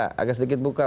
buka sedikit buka